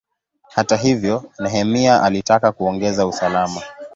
Hata hivyo, Nehemia alitaka kuongeza usalama.